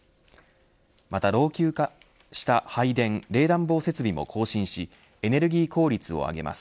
また老朽化した配電・冷暖房設備も更新しエネルギー効率を上げます。